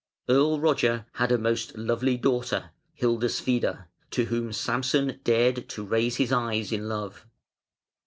Earl Roger had a most lovely daughter, Hildeswide, to whom Samson dared to raise his eyes in love.